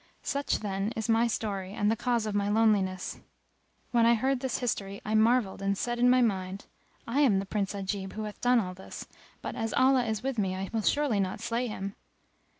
Such, then, is my story and the cause of my loneliness." When I heard his history I marvelled and said in my mind, "I am the Prince Ajib who hath done all this; but as Allah is with me I will surely not slay him!"